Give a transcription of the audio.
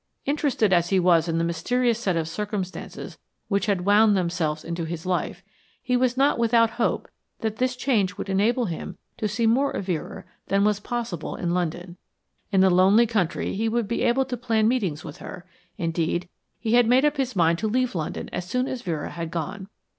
Interested as he was in the mysterious set of circumstances which had wound themselves into his life, he was not without hope that this change would enable him to see more of Vera than was possible in London. In the lonely country he would be able to plan meetings with her; indeed, he had made up his mind to leave London as soon as Vera had gone.